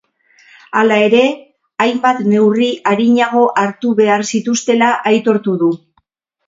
Hala ere, hainbat neurri arinago hartu behar zituztela aitortu du.